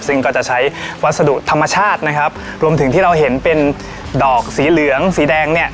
ซึ่งก็จะใช้วัสดุธรรมชาตินะครับรวมถึงที่เราเห็นเป็นดอกสีเหลืองสีแดงเนี่ย